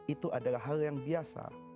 itu adalah hal yang biasa